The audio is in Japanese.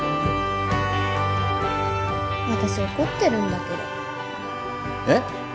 私怒ってるんだけどえっ？